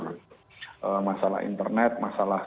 ee masalah internet masalah